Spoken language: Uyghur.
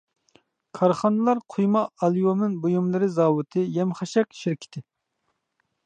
كارخانىلار قۇيما ئاليۇمىن بۇيۇملىرى زاۋۇتى، يەم-خەشەك شىركىتى.